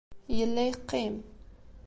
Yella yeqqim.